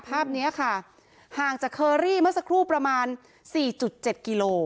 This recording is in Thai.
ภาพนี้ค่ะห่างจากเคอรี่เมื่อสักครู่ประมาณสี่จุดเจ็ดกิโล